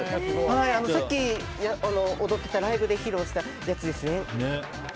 さっき踊ってたライブで披露したやつですね。